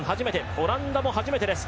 オランダも初めてです。